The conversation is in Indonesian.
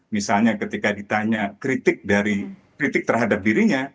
misalnya ketika ditanya kritik terhadap dirinya